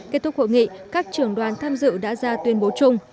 kết thúc hội nghị các trưởng đoàn tham dự đã ra tuyên bố chung